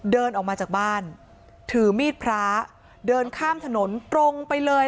เดินออกมาจากบ้านถือมีดพระเดินข้ามถนนตรงไปเลย